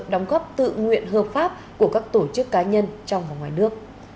đóng góp tự nguyện hợp pháp của các tổ chức cá nhân trong và ngoài nước